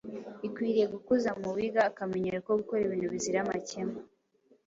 Ikwiriye gukuza mu wiga akamenyero ko gukora ibintu bizira amakemwa